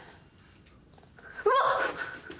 うわっ！